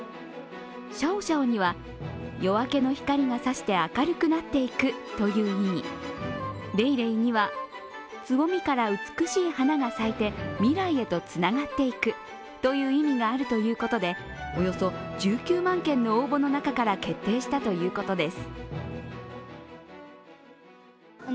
シャオシャオには夜明けの光がさして明るくなっていくという意味、レイレイには、つぼみから美しい花が咲いて未来へとつながっていくという意味があるということでおよそ１９万件の応募の中から決定したということです。